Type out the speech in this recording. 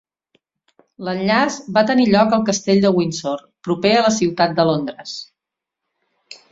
L'enllaç va tenir lloc al Castell de Windsor, proper a la ciutat de Londres.